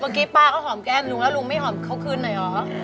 เมื่อกี้ป้าก็หอมแก้มลุงแล้วลุงไม่หอมเขาคืนหน่อยเหรอ